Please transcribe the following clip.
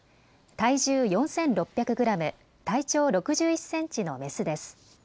体重４６００グラム、体長６１センチのメスです。